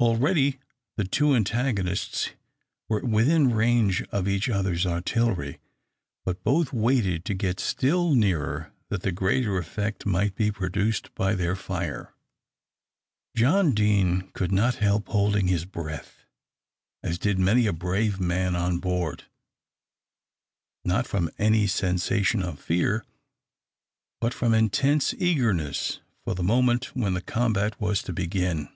Already the two antagonists were within range of each other's artillery, but both waited to get still nearer that the greater effect might be produced by their fire. John Deane could not help holding his breath, as did many a brave man on board, not from any sensation of fear, but from intense eagerness for the moment when the combat was to begin.